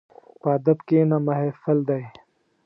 په ادب کښېنه، محفل دی.